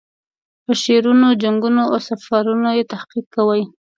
په شعرونو، جنګونو او سفرونو یې تحقیق کوي.